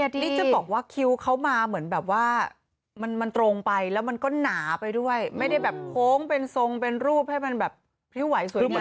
นี่จะบอกว่าคิวเขามาเหมือนแบบว่ามันตรงไปแล้วมันก็หนาไปด้วยไม่ได้แบบโค้งเป็นทรงเป็นรูปให้มันแบบพริ้วไหวสวย